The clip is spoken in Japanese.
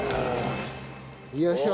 よいしょ。